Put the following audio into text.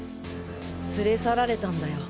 連れ去られたんだよ